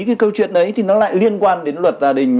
cái câu chuyện đấy thì nó lại liên quan đến luật gia đình